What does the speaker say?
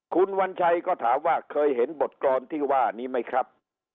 คุณวัญชัยก็ถามว่าเคยเห็นบทกรอนที่ว่านี้ไหมครับ